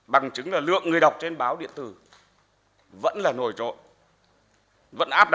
bằng chứng là lượng người đọc trên báo điện tử vẫn là nổi trộn vẫn áp đảo